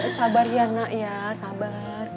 sabar ya nak ya sabar